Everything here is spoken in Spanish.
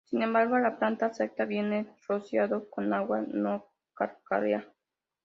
Sin embargo, la planta acepta bien el rociado con agua no calcárea.